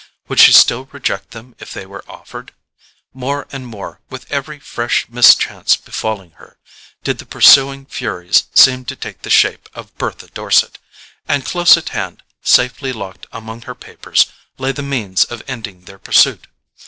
Would she still reject them if they were offered? More and more, with every fresh mischance befalling her, did the pursuing furies seem to take the shape of Bertha Dorset; and close at hand, safely locked among her papers, lay the means of ending their pursuit.